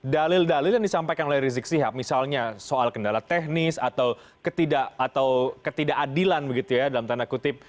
dalil dalil yang disampaikan oleh rizik sihab misalnya soal kendala teknis atau ketidakadilan begitu ya dalam tanda kutip